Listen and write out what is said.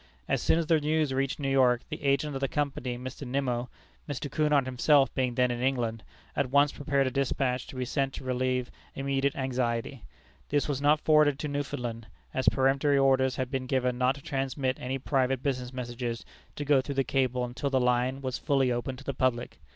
As soon as the news reached New York, the agent of the Company, Mr. Nimmo (Mr. Cunard himself being then in England), at once prepared a despatch to be sent to relieve immediate anxiety. This was not forwarded to Newfoundland, as peremptory orders had been given not to transmit any private business messages to go through the cable until the line was fully open to the public.